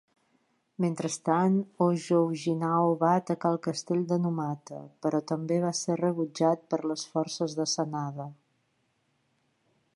Mentrestant, Hojo Ujinao va atacar el castell de Numata, però també va ser rebutjat per les forces de Sanada.